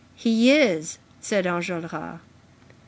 "He is," said Enjolras.